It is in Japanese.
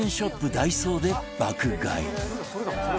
ダイソーで爆買い